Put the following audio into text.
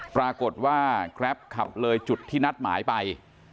ปรากฏว่าแกรปขับเลยจุดที่นัดหมายไป